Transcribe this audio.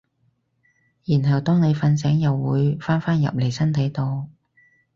然後當你瞓醒又會返返入嚟身體度